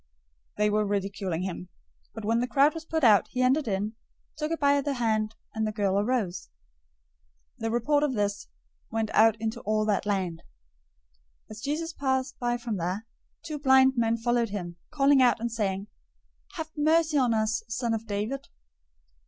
They were ridiculing him. 009:025 But when the crowd was put out, he entered in, took her by the hand, and the girl arose. 009:026 The report of this went out into all that land. 009:027 As Jesus passed by from there, two blind men followed him, calling out and saying, "Have mercy on us, son of David!"